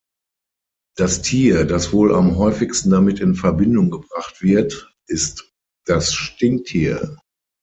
Das Tier, das wohl am häufigsten damit in Verbindung gebracht wird, ist das Stinktier.